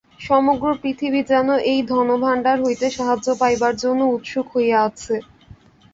সমগ্র পৃথিবী যেন এই ধনভাণ্ডার হইতে সাহায্য পাইবার জন্য উৎসুক হইয়া আছে।